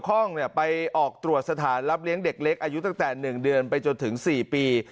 ข้องไปออกตรวจสถานรับเลี้ยงเด็กเล็กอายุตั้งแต่๑เดือนไปจนถึง๔ปี